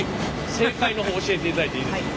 正解の方教えていただいていいですか。